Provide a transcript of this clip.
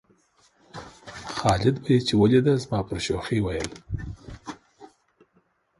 خالد به یې چې ولېده زما پر شوخۍ ویل.